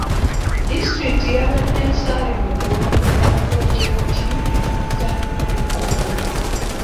Disitulikiti yabadde nsaale mu kulondoola pulojekiti za nnayikondo.